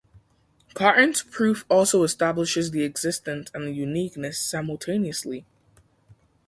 Cartan's proof also establishes the existence and the uniqueness simultaneously.